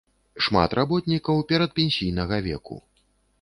Шмат работнікаў перадпенсійнага веку.